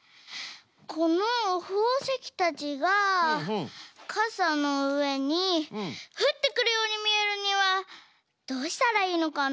このほうせきたちがかさのうえにふってくるようにみえるにはどうしたらいいのかな？